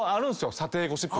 「査定ゴシップ」